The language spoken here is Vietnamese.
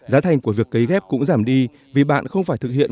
giá thành của việc cấy ghép cũng giảm đi vì bạn không phải thực hiện